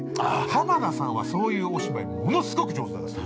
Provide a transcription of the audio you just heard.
浜田さんはそういうお芝居ものすごく上手なんですよ。